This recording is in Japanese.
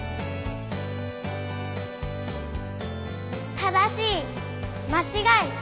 「正しい」「まちがい」。